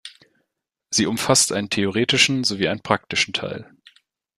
Sie umfasst einen theoretischen sowie einen praktischen Teil.